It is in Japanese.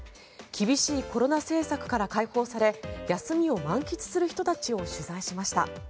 厳しいコロナ政策から解放され休みを満喫する人たちを取材しました。